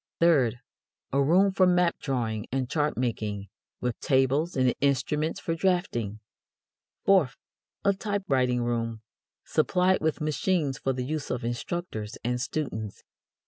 Third, a room for map drawing and chart making, with tables and instruments for draughting. Fourth, a typewriting room, supplied with machines for the use of instructors and students.